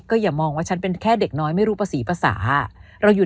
อย่ามองว่าฉันเป็นแค่เด็กน้อยไม่รู้ภาษีภาษาเราอยู่